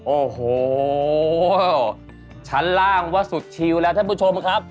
โอ้โหชั้นล่างว่าสุดชิวแล้วท่านผู้ชมครับ